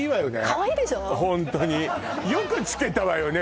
かわいいでしょホントによくつけたわよね